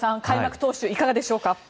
開幕投手いかがでしょうか。